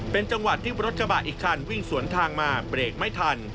เป็นจังหวะที่รถกระบะอีกคันวิ่งสวนทางมาเบรกไม่ทัน